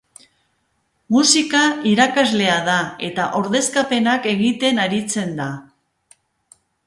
Musika irakaslea da eta ordezkapenak egiten aritzen da.